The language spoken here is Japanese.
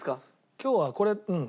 今日はこれうん。